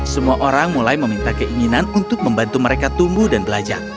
semua orang mulai meminta keinginan untuk membantu mereka tumbuh dan belajar